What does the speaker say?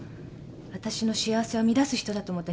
わたしの幸せを乱す人だと思った。